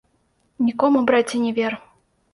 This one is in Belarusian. Нікому, браце, не вер.